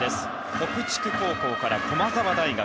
北筑高校から駒澤大学。